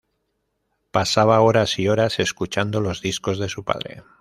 Pasaba horas y horas escuchando los discos de su padre.